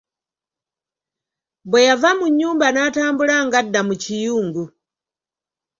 Bwe yava mu nnyumba n'atambula ng'adda mu kiyungu.